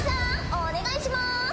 お願いします。